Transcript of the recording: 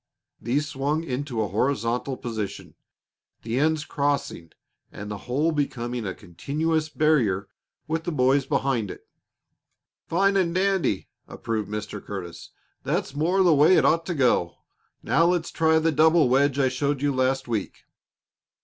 these swung into a horizontal position, the ends crossing and the whole becoming a continuous barrier with the boys behind it. "Fine and dandy!" approved Mr. Curtis. "That's more the way it ought to go. Now, let's try the double wedge I showed you last week.